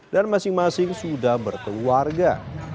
dan masing masing sudah berkeluarga